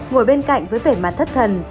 ngồi bên cạnh với vẻ mặt thất thần